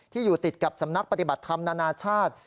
อยู่ติดกับสำนักปฏิบัติธรรมนานาชาติ